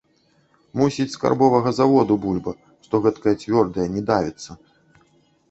Мусіць, скарбовага заводу бульба, што гэткая цвёрдая, не давіцца.